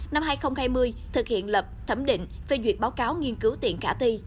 năm hai nghìn hai mươi thực hiện lập thẩm định phê duyệt báo cáo nghiên cứu tiền khả thi